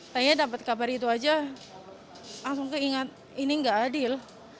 saya dapat kabar itu aja langsung keingat ini gak adil